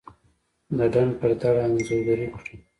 دډنډ پر دړه انځورګري کړي